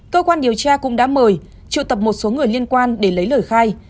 cơ quan điều tra cũng đã mời triệu tập một số người liên quan để lấy lời khai